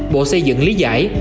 bộ xây dựng lý giải